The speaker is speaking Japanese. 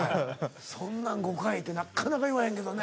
「そんなん」５回ってなかなか言わへんけどね。